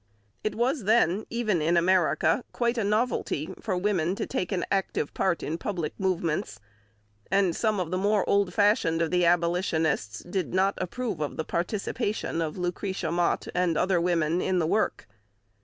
It was then, even in America, quite a novelty for women to take an active part in public movements, and some of the more old fashioned of the Abolitionists did not approve of the participation of Lucretia Mott and other women in the work.